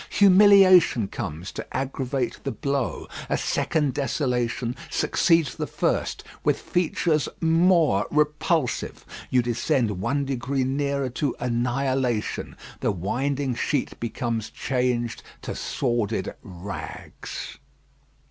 Humiliation comes to aggravate the blow. A second desolation succeeds the first, with features more repulsive. You descend one degree nearer to annihilation. The winding sheet becomes changed to sordid rags.